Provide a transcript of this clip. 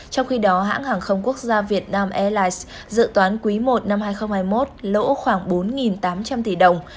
trong khi đó hãng hàng không quốc gia việt nam airlines dự toán quý i năm hai nghìn hai mươi một lỗ khoảng bốn tám trăm linh tỷ đồng